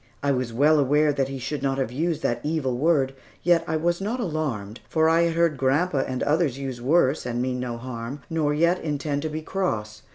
I was well aware that he should not have used that evil word, yet was not alarmed, for I had heard grandpa and others use worse, and mean no harm, nor yet intend to be cross.